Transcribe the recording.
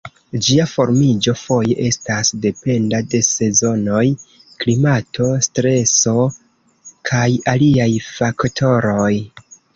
Ĝia formiĝo foje estas dependa de sezonoj, klimato, streso, kaj aliaj faktoroj.